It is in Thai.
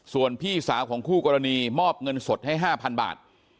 ส่วนพี่สาวของคู่กรณีมอบเงินสดให้๕๐๐บาท